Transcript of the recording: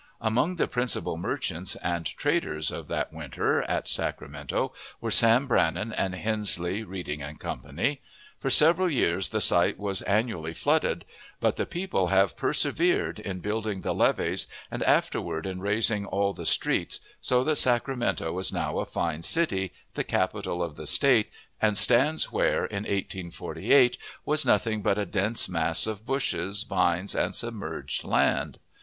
Among the principal merchants and traders of that winter, at Sacramento, were Sam Brannan and Hensley, Reading & Co. For several years the site was annually flooded; but the people have persevered in building the levees, and afterward in raising all the streets, so that Sacramento is now a fine city, the capital of the State, and stands where, in 1848, was nothing but a dense mass of bushes, vines, and submerged land.